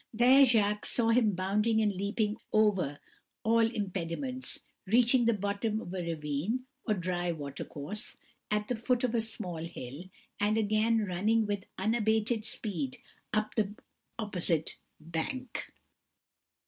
There Jacques saw him bounding and leaping over all impediments, reaching the bottom of a ravine, or dry watercourse, at the foot of a small hill, and again running with unabated speed up the opposite bank.